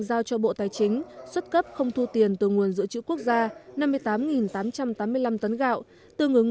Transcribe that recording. giao cho bộ tài chính xuất cấp không thu tiền từ nguồn dự trữ quốc gia năm mươi tám tám trăm tám mươi năm tấn gạo tương ứng